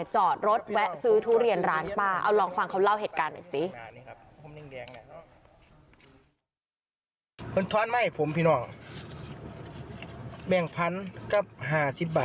จอดรถแวะซื้อทุเรียนร้านปลา